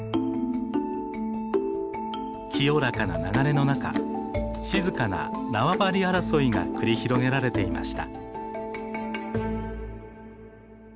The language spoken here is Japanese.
清らかな流れの中静かな縄張り争いが繰り広げられていました。